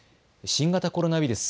新型コロナウイルス。